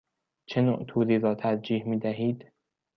چه نوع توری را ترجیح می دهید؟